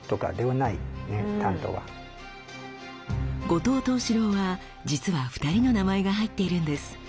「後藤藤四郎」は実は２人の名前が入っているんです。